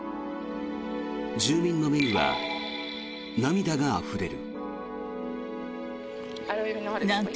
住民の目には涙があふれる。